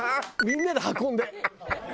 みんなで運んで。